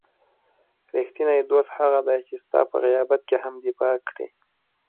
رښتینی دوست هغه دی چې ستا په غیابت کې هم دفاع کړي.